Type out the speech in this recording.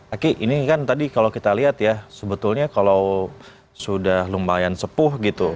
aki ini kan tadi kalau kita lihat ya sebetulnya kalau sudah lumayan sepuh gitu